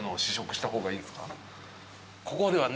ここではね。